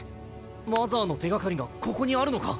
マザーの手掛かりがここにあるのか？